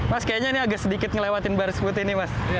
mas kayaknya ini agak sedikit melewatin baris putih ini mas